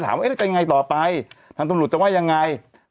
นะฮะไม่ว่าจะเป็นคุณอาตอม